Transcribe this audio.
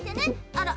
あら？